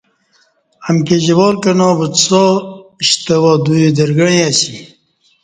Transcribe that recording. امکی جوار کنا وڅا شتوا دوئی درگݩعی اسی۔